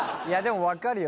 分かるよ